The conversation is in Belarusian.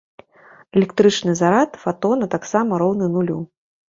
Электрычны зарад фатона таксама роўны нулю.